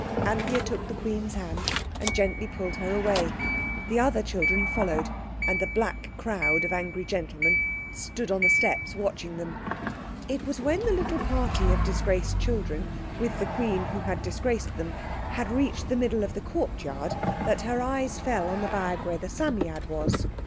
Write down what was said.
Anthea took the Queen's hand and gently pulled her away. The other children followed, and the black crowd of angry gentlemen stood on the steps watching them. It was when the little party of disgraced children, with the Queen who had disgraced them, had reached the middle of the courtyard that her eyes fell on the bag where the Psammead was.